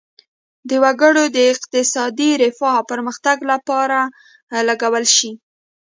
د وګړو د اقتصادي رفاه او پرمختګ لپاره لګول شي.